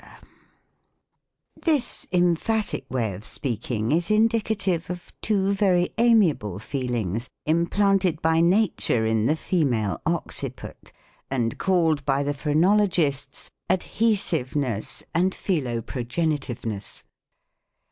&c. This emphatic way of speaking is indicative of two very amiable feelings implanted by nature in the fe male occiput, and called by the Phrenologists Adhe siveness and Philoprogenitivenes.